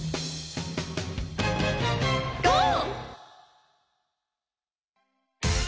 「ゴー！」